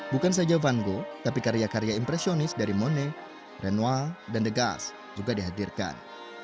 bukan saja van gogh tapi karya karya impresionis dari monet renoir dan degas juga dihadirkan